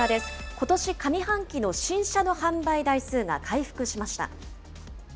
ことし上半期の新車の販売台数が回復しました。